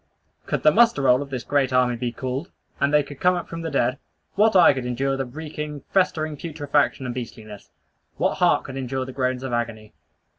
Could the muster roll of this great army be called, and they could come up from the dead, what eye could endure the reeking, festering putrefaction and beastliness! What heart could endure the groans of agony!